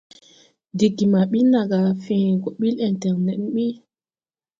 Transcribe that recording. Ɗiggi ma ɓin na gá fẽẽre gɔ ɓil ɛŋtɛrned ɓuy.